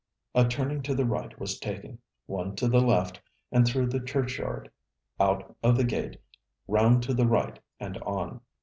A turning to the right was taken, one to the left, and through the churchyard, out of the gate, round to the right, and on.